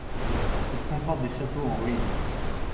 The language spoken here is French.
Elle comporte des châteaux en ruine.